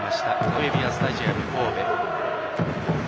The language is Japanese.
ノエビアスタジアム神戸。